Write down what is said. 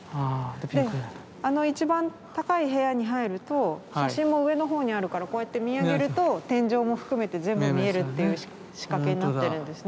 あの一番高い部屋に入ると写真も上の方にあるからこうやって見上げると天井も含めて全部見えるっていう仕掛けになってるんですね。